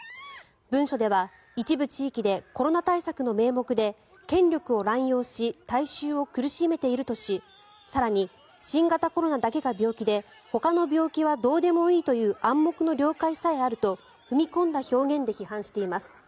文書では一部地域でコロナ対策の名目で権力を乱用し大衆を苦しめているとし更に、新型コロナだけが病気でほかの病気はどうでもいいという暗黙の了解さえあると踏み込んだ表現で批判しています。